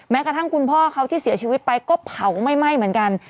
กระทั่งคุณพ่อเขาที่เสียชีวิตไปก็เผาไม่ไหม้เหมือนกัน